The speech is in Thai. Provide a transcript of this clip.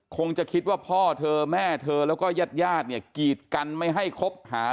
คงจะคิดว่าพ่อเธอแม่เธอแล้วก็ญาติญาติเนี่ยกีดกันไม่ให้คบหา